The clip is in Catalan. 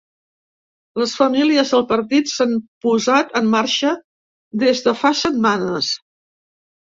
Les famílies del partit s’han posat en marxa des de fa setmanes.